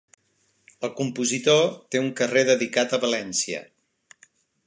El compositor té un carrer dedicat a València.